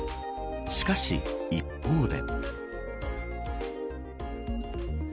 しかし、一方で。